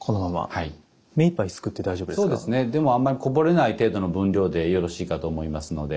でもあまりこぼれない程度の分量でよろしいかと思いますので。